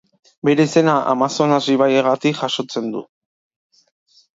Bere izena Amazonas ibaiagatik jasotzen du.